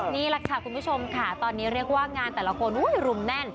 นี่แหละค่ะคุณผู้ชมค่ะตอนนี้เรียกว่างานแต่ละคนรุมแน่น